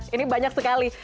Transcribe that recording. ini banyak sekali